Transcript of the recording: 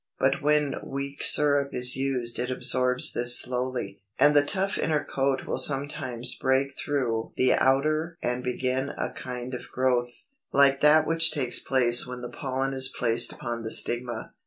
But when weak syrup is used it absorbs this slowly, and the tough inner coat will sometimes break through the outer and begin a kind of growth, like that which takes place when the pollen is placed upon the stigma.